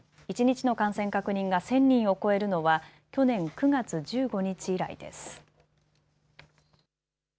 一日の感染確認が１０００人を超えるのは去年９月１５日以来です。